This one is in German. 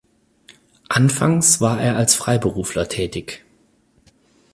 Anfangs war er als Freiberufler tätig.